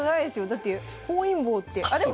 だって本因坊って。